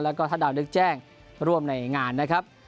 แล้วก็ถ้าดาวนึกแจ้งร่วมในงานนะครับ